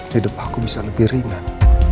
hidup aku bisa lebih ringan